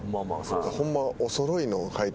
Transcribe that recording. ホンマ。